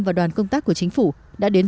và đoàn công tác của chính phủ đã đến